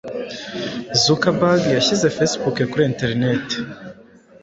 Zuckerberg yashyize Facebook kuri interineti